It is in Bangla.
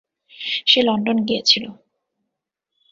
সে লন্ডন গিয়েছিল।